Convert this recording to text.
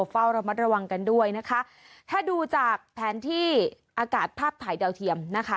เฝ้าระมัดระวังกันด้วยนะคะถ้าดูจากแผนที่อากาศภาพถ่ายดาวเทียมนะคะ